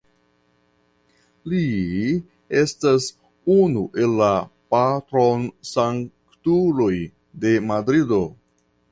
Li estas unu el la patronsanktuloj de Madrido.